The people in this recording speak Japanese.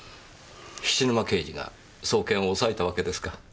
菱沼刑事が送検を抑えたわけですか？